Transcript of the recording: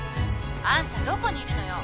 あんたどこにいるのよ！